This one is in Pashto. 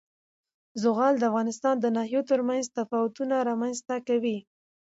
زغال د افغانستان د ناحیو ترمنځ تفاوتونه رامنځ ته کوي.